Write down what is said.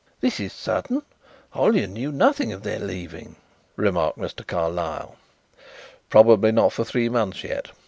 "This is sudden; Hollyer knew nothing of their leaving," remarked Mr. Carlyle. "Probably not for three months yet.